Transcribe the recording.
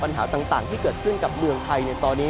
ที่จะช่วยบรรเทาปัญหาต่างที่เกิดขึ้นกับเมืองไทยในตอนนี้